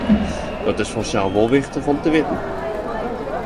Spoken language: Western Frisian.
Dat is fansels wol wichtich om te witten.